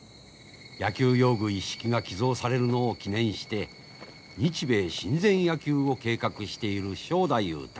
野球用具一式が寄贈されるのを記念して日米親善野球を計画している正太夫たち。